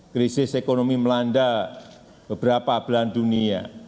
krisis ekonomi melanda beberapa bulan dunia